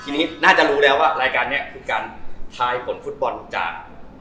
ทีนี้น่าจะรู้แล้วว่ารายการนี้คือการทายผลฟุตบอลจาก